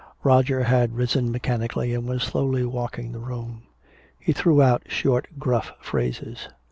Roger had risen mechanically and was slowly walking the room. He threw out short gruff phrases.